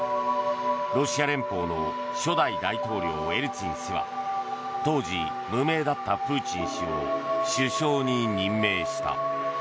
ロシア連邦の初代大統領エリツィン氏は当時無名だったプーチン氏を首相に任命した。